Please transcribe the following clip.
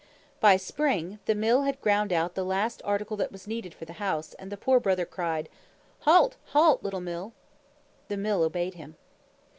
By spring, the Mill had ground out the last article that was needed for the house, and the Poor Brother cried, "Halt, halt, little Mill!" The Mill obeyed him.